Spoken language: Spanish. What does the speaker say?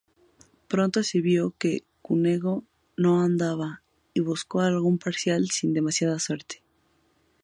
Pronto se vio que Cunego no andaba y busco algún parcial sin demasiada suerte.